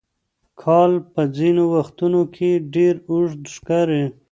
کال په ځینو وختونو کې ډېر اوږد ښکاري.